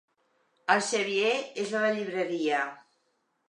El Xavier és a la llibreria.